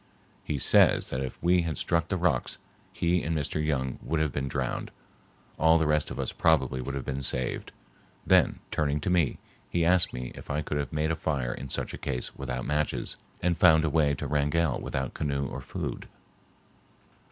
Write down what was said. He says that if we had struck the rocks he and Mr. Young would have been drowned, all the rest of us probably would have been saved. Then, turning to me, he asked me if I could have made a fire in such a case without matches, and found a way to Wrangell without canoe or food.